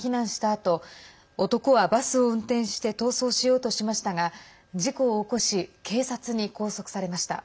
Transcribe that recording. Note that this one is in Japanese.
あと男はバスを運転して逃走しようとしましたが事故を起こし警察に拘束されました。